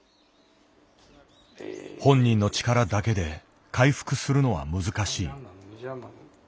本人の力だけで回復するのは難しい。